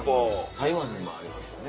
台湾にもありますよね。